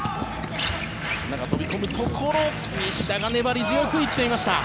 中、飛び込むところ西田が粘り強くいっていました。